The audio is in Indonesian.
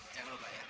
jangan lupa ya